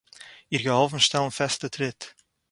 איר געהאָלפן שטעלן פעסטע טריט